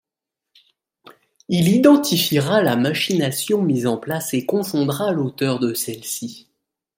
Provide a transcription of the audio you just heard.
Il identifiera la machination mise en place et confondra l'auteur de celle-ci.